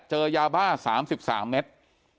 เจอยาบ้า๓๓เมตร